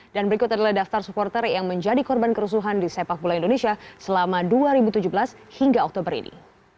dan berikut adalah daftar supporter yang menjadi korban kerusuhan di sepak bola indonesia selama dua ribu tujuh belas hingga oktober ini